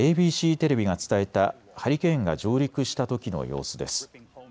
ＡＢＣテレビが伝えたハリケーンが上陸したときの様子です。